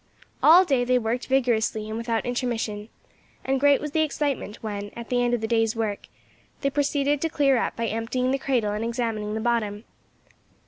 All day they worked vigorously and without intermission, and great was the excitement when, at the end of the day's work, they proceeded to clear up by emptying the cradle and examining the bottom.